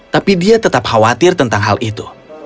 tapi dia tetap khawatir tentang hal itu